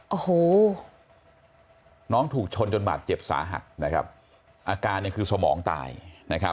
โอ้โหน้องถูกชนจนบาดเจ็บสาหัสนะครับอาการเนี่ยคือสมองตายนะครับ